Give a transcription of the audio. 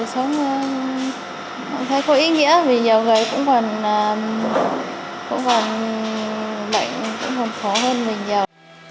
về cuộc sống không thấy có ý nghĩa vì nhiều người cũng còn bệnh cũng còn khó hơn bình dầu